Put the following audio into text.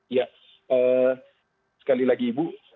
ya sekali lagi ibu